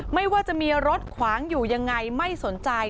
ไม่ว่าจะมีรถขวางอยู่ยังไงไม่สนใจ